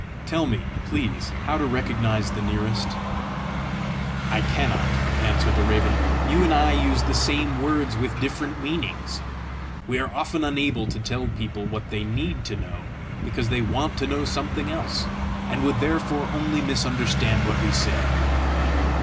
"Tell me, please, how to recognise the nearest." "I cannot," answered the raven; "you and I use the same words with different meanings. We are often unable to tell people what they NEED to know, because they WANT to know something else, and would therefore only misunderstand what we said.